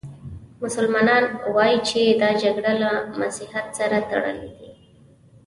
مسلمانان وايي چې دا جګړې له مسیحیت سره تړلې دي.